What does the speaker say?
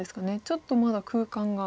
ちょっとまだ空間が。